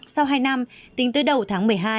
sau hai năm tính tới đầu tháng một mươi hai